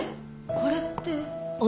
これって。